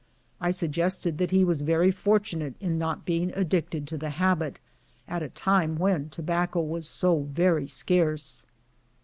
I suggested that he was very fortunate in not being addicted to the habit at a time when tobacco was so very scarce.